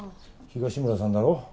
東村さんだろ？